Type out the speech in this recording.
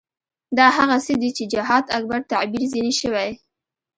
دا هغه څه دي چې جهاد اکبر تعبیر ځنې شوی.